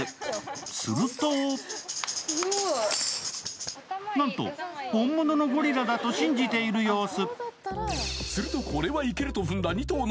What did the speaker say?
するとなんと、本物のゴリラだと信じている様子。